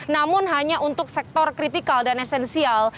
namun hanya untuk sektor kritikal dan esensial